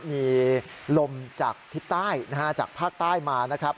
มีลมจากทิศใต้นะฮะจากภาคใต้มานะครับ